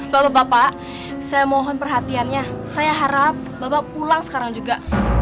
bapak bapak saya mohon perhatiannya saya harap bapak pulang sekarang juga